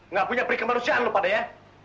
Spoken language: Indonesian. nggak punya prik kemarusiaan lu pada ya